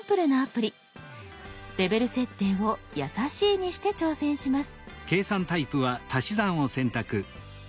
レベル設定を「やさしい」にして挑戦します。